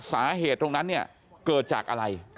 สาเหตุตรงนั้นเนี่ยเกิดจากอะไร